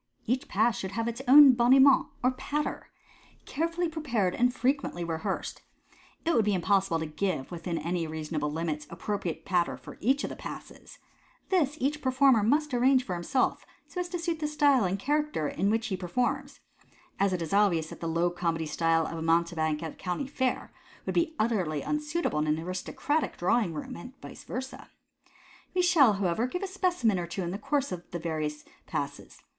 Each Pass should have its own " boniment" or " patter," carefully prepared and frequently rehearsed. It would be impossible to give, within any reasonable limits, appro priate patter for each of the Passes. This each performer must arrange for himself, so as to suit the style and character in which he performs} as it is obvious that the low comedy style of a mounte bank at a country fair would be utterly unsuitable in an aristocratic drawing room, and vice versd. We shall, however, give a specimen or two in the course of the various Passes.